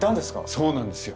そうなんですよ。